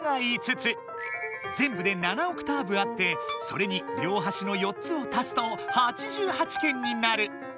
ぜんぶで７オクターブあってそれにりょうはしの４つを足すと８８鍵になる。